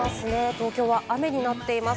東京は雨になっています。